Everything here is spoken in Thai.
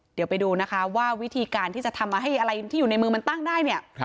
เดี๋ยวไปดูนะคะว่าวิธีการที่จะทำให้อะไรที่อยู่ในมือมันตั้งได้เนี่ย